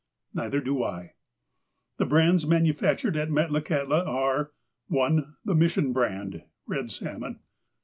Neither do I. The brands manufactured at Metlakahtla are : 1. The " Mission Brand " (red salmon).